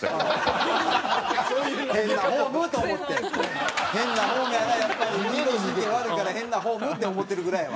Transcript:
運動神経悪いから変なフォームって思ってるぐらいやわ。